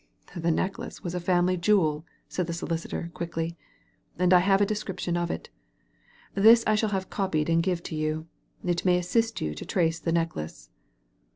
" "The necklace was a family jewel," said the solicitor, quickly ;and I have a description of it. This I shall have copied and give it to you ; it may assist you to trace the necklace."